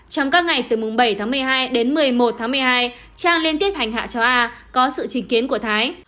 trong các ngày từ bảy một mươi hai đến một mươi một một mươi hai trang liên tiếp hành hạ cháu a có sự trình kiến của thái